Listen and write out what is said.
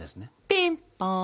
ピンポン！